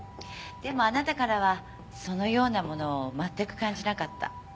でもあなたからはそのようなものを全く感じなかった。